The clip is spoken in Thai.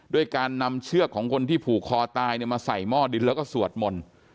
ด้วยการนำเชือกของคนที่ผูกคอตายมาใส่หม้อดินแล้วก็สวดมนต์